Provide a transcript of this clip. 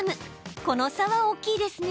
この差は大きいですね。